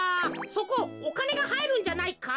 そこおかねがはいるんじゃないか？